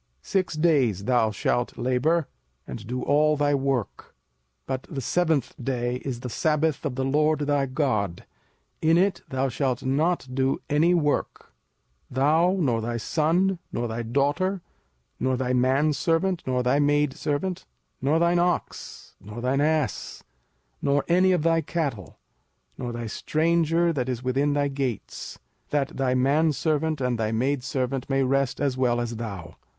05:005:013 Six days thou shalt labour, and do all thy work: 05:005:014 But the seventh day is the sabbath of the LORD thy God: in it thou shalt not do any work, thou, nor thy son, nor thy daughter, nor thy manservant, nor thy maidservant, nor thine ox, nor thine ass, nor any of thy cattle, nor thy stranger that is within thy gates; that thy manservant and thy maidservant may rest as well as thou.